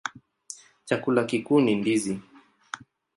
Chakula kikuu ni ndizi.